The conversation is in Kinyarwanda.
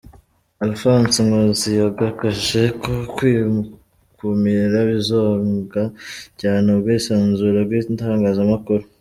Alphonse Nkusi yagagaje ko kwikumira bizonga cyane ubwisanzure bw’Itangazamakuru.